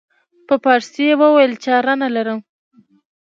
په پارسي یې وویل چاره نه لرم.